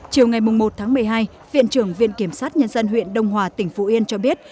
chiều ngày một tháng một mươi hai viện trưởng viện kiểm sát nhân dân huyện đông hòa tỉnh phú yên cho biết